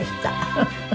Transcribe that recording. フフフフ。